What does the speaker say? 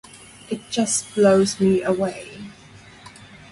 It just blows me away.